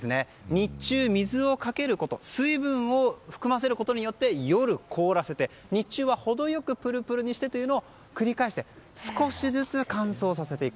日中、水をかけること水分を含ませることによって夜、凍らせて日中はほどよくプルプルにしてを繰り返して少しずつ乾燥させていく。